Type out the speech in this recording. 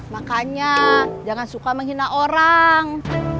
makanya jangan suka menghina orang